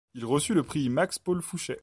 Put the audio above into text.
Il reçut le prix Max-Pol-Fouchet.